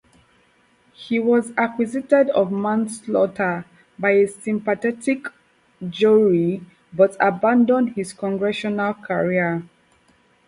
He was acquitted of manslaughter by a sympathetic jury, but abandoned his Congressional career.